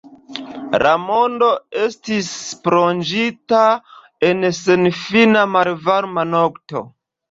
La mondo estis plonĝita en senfina malvarma nokto.